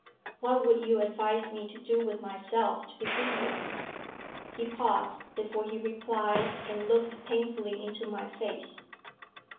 What would you advise me to do with myself, to begin with?" He paused before he replied, and looked painfully into my face.